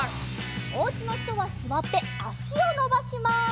おうちのひとはすわってあしをのばします。